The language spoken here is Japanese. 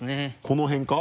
この辺か？